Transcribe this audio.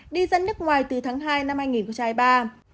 đi dân nước ngoài từ tháng hai năm hai nghìn ba